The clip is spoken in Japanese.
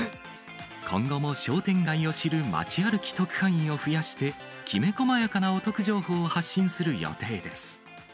今後も商店街を知るまち歩き特派員を増やして、きめ細やかなお得情報を発信する予定です。